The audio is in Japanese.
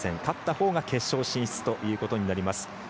勝ったほうが決勝進出ということになります。